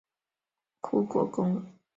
此后英国不再有护国公。